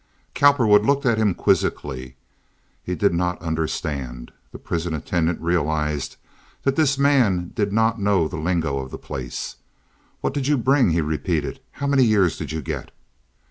Cowperwood looked at him quizzically. He did not understand. The prison attendant realized that this man did not know the lingo of the place. "What did you bring?" he repeated. "How many years did you get?"